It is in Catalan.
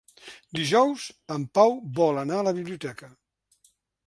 Dijous en Pau vol anar a la biblioteca.